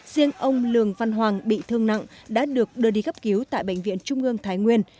riêng ông lường văn hoàng bị thương nặng đã được đưa đi cấp cứu tại bệnh viện trung ương thái nguyên